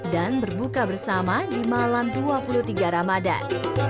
dan berbuka bersama di malam dua puluh tiga ramadhan